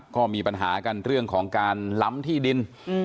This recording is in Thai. ก็มีปัญหากันเรื่องของการล้ำที่ดิน